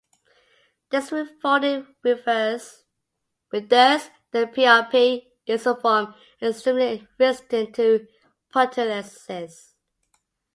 This refolding renders the PrP isoform extremely resistant to proteolysis.